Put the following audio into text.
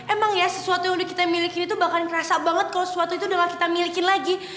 emang ya sesuatu yang udah kita milikin itu bakal ngerasa banget kalo sesuatu itu udah gak kita milikin lagi